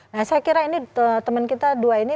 nah saya kira ini teman kita dua ini